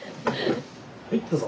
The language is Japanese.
はいどうぞ！